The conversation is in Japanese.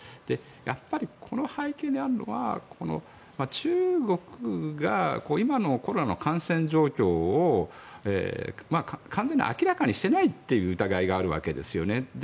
やっぱりこの背景にあるのは中国が今のコロナの感染状況を完全に明らかにしていないという疑いがあるわけですよね。